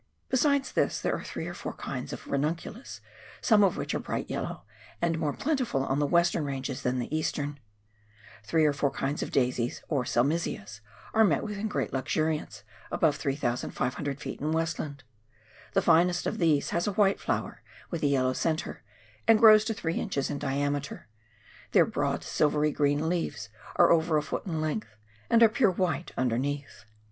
Besides this there are three or four other kinds of ranunciilus, some of which are bright yellow and more plenti ful on the western ranges than the eastern. Three or four kinds of daisies or Celmisias are met with in great luxuriance, above 3,500 ft., in "Westland. The finest of these has a white flower with a yellow centre, and grows to three inches in diameter ; their broad silvery green leaves are over a foot in length, and are pure white underneath.